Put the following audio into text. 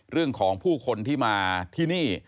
เรื่องของผู้คนที่มาที่นี่